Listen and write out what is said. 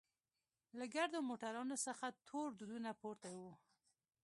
له ګردو موټرانوڅخه تور دودونه پورته وو.